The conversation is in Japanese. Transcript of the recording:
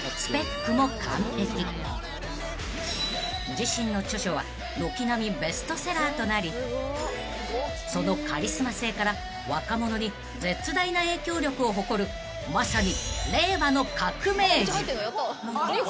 ［自身の著書は軒並みベストセラーとなりそのカリスマ性から若者に絶大な影響力を誇るまさに］